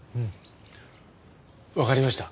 わかりました。